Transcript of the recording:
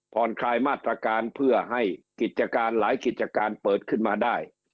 คลายมาตรการเพื่อให้กิจการหลายกิจการเปิดขึ้นมาได้